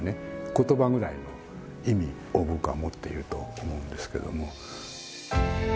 言葉くらいの意味を僕は持っていると思うんですけども。